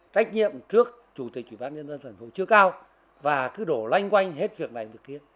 trách nhiệm trước chủ tịch ubnd tp chưa cao và cứ đổ lanh quanh hết việc này việc kia